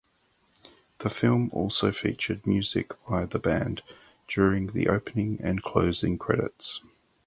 The film also featured music by the band during the opening and closing credits.